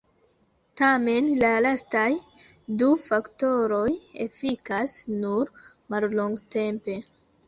Tamen la lastaj du faktoroj efikas nur mallongtempe.